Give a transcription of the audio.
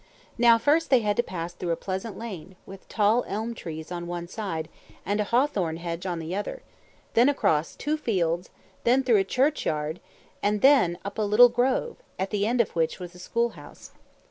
Now, first they had to pass through a pleasant lane, with tall elm trees on one side, and a hawthorn hedge on the other; then across two fields; then through a churchyard, and then up a little grove, at the end of which was the school house.